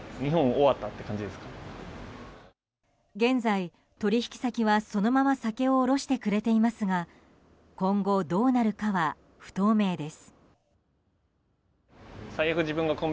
現在、取引先はそのまま酒を卸してくれていますが今後どうなるかは不透明です。